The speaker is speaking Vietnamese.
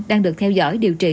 đang được theo dõi điều trị